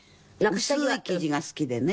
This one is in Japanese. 薄い生地が好きでね。